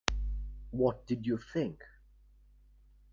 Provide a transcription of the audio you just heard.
What did you think?